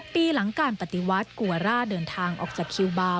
ปีหลังการปฏิวัติกัวร่าเดินทางออกจากคิวบาร์